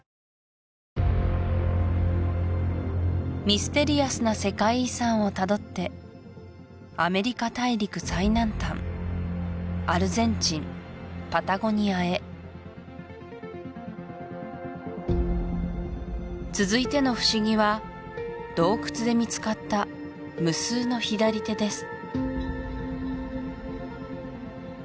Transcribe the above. ミステリアスな世界遺産をたどってアメリカ大陸最南端アルゼンチンパタゴニアへ続いての不思議は洞窟で見つかった無数の左手です